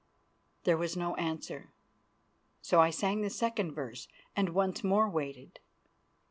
There was no answer, so I sang the second verse and once more waited.